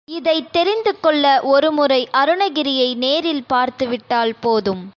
இதைத் தெரிந்து கொள்ள ஒரு முறை அருணகிரியை நேரில் பார்த்து விட்டால் போதும்.